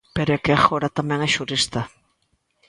¡Pero é que agora tamén é xurista!